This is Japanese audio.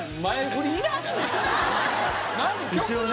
一応ね。